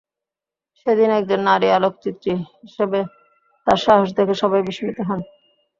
সেদিন একজন নারী আলোকচিত্রী হিসেবে তাঁর সাহস দেখে সবাই বিস্মিত হন।